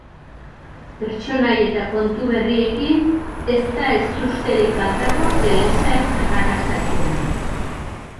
Pertsonai eta kontu berriekin, ez da ezusterik faltako telesail arrakastatsuan.